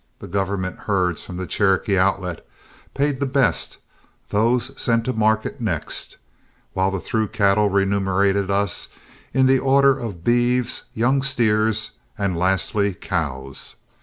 The government herds from the Cherokee Outlet paid the best, those sent to market next, while the through cattle remunerated us in the order of beeves, young steers, and lastly cows.